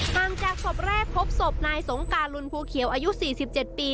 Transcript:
ห่างจากศพแรกพบศพนายสงการลุนภูเขียวอายุ๔๗ปี